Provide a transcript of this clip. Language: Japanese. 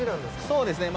そうですね